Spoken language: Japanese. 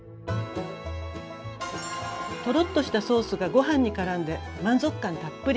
トロッとしたソースがご飯にからんで満足感たっぷり。